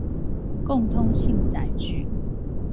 共通性載具